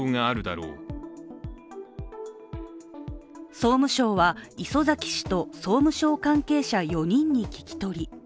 総務省は礒崎氏と総務省関係者４人に聴き取り。